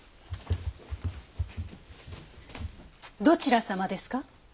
どちら様ですか？